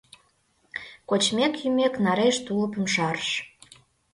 Кочмек-йӱмек, нареш тулупым шарыш